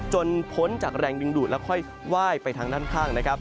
จนพ้นจากแรงดึงดูดแล้วค่อยว่ายไปทางด้านข้าง